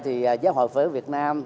giáo hội phế việt nam